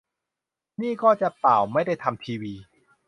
นี่ก็จะ ป่าว ไม่ได้ทำทีวี